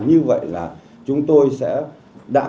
như vậy là chúng tôi sẽ đảm bảo